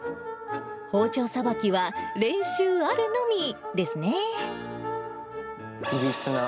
包丁さばきは練習あるのみでいびつな。